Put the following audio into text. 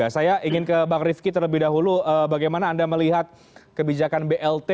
saya ingin ke bang rifki terlebih dahulu bagaimana anda melihat kebijakan blt